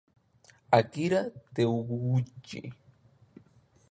Akira Takeuchi